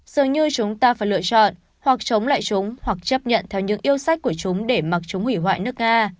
dường như chúng ta phải lựa chọn hoặc chống lại chúng hoặc chấp nhận theo những yêu sách của chúng để mặc chúng hủy hoại nước nga